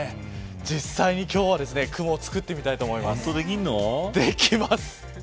実際に今日は雲を作ってみたいと思います。